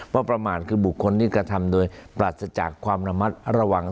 ประมาทคือบุคคลที่กระทำโดยปราศจากความระมัดระวัง